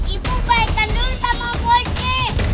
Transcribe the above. ibu baikan dulu sama om gafin